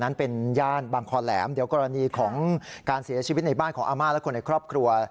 ในบ้านของอาม่าและคนในครอบครัว